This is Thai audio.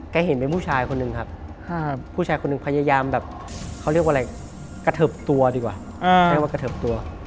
แกเห็นเป็นผู้ชายคนหนึ่งครับผู้ชายคนหนึ่งพยายามกระเทิบตัวดีกว่า